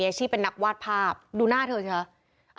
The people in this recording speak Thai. อาชีพเป็นนักวาดภาพดูหน้าเธอสิคะ